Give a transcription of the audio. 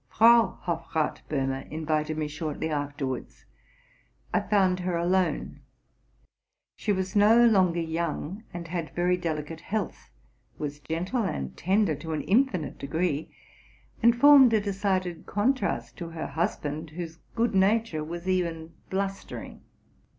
Frau Hofrath Bohme invited me shortly afterwards. I found her alone. She was no longer young, and had very delicate health; was gentle and tender to an infinite degree; and formed a decided contrast to her husband, whose good nature was even blustering.